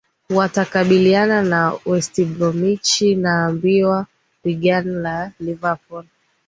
watakambiliana na westbromich naambiwa wigan na liverpool